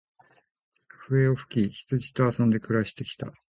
笛を吹き、羊と遊んで暮して来た。